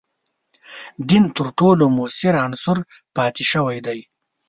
دین تر ټولو موثر عنصر پاتې شوی دی.